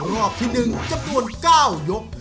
รอบที่๑จำนวน๙ยก